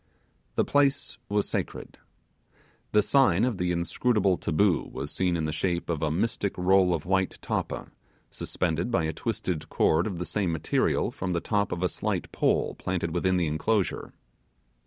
The place was sacred. The sign of the inscrutable Taboo was seen in the shape of a mystic roll of white tappa, suspended by a twisted cord of the same material from the top of a slight pole planted within the enclosure*.